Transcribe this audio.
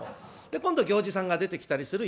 で今度行司さんが出てきたりする。